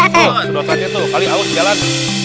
sedot aja tuh kali awet jalan